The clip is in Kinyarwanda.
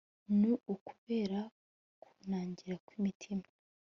ni ukubera kunangira kw'imitima